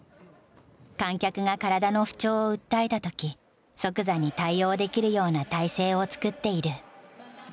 観客が体の不調を訴えたとき、即座に対応できるような体制を作っている。